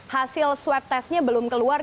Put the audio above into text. hasil swab testnya belum keluar